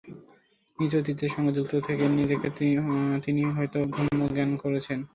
নিজ ঐতিহ্যের সঙ্গে যুক্ত থেকে নিজেকে তিনি হয়তো ধন্য জ্ঞান করছেন।